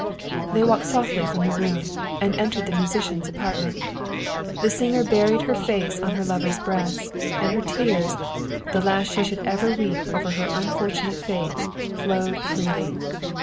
They walked softly from the room, and entered the mu sician's apartment. The singer buried her face on her lover's breast, and her tears, the last she should ever weep over her unfortunate fate, flowed freely.